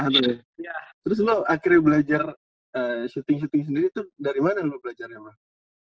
terus lu akhirnya belajar shooting shooting sendiri tuh dari mana lu belajarnya mah